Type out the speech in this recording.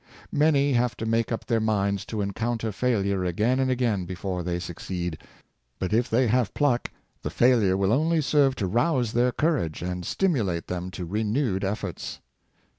Many have to make up their minds to encounter failure again and again before they succeed ; but if they have pluck, the failure will only serve to rouse their courage, and stimulate them to renewed efforts.